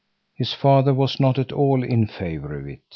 His father was not at all in favor of it.